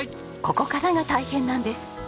ここからが大変なんです。